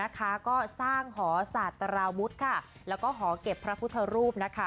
ก็สร้างหอศาตราวุฒิแล้วก็หอเก็บพระพุทธรูป